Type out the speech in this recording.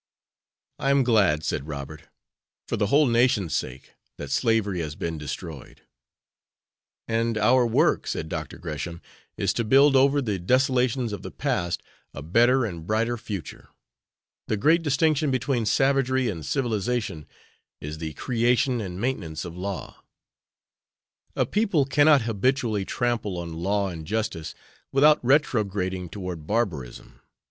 "I am glad," said Robert, "for the whole nation's sake, that slavery has been destroyed." "And our work," said Dr. Gresham, "is to build over the desolations of the past a better and brighter future. The great distinction between savagery and civilization is the creation and maintenance of law. A people cannot habitually trample on law and justice without retrograding toward barbarism.